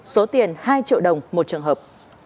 số tiền hai triệu đồng một trường hợp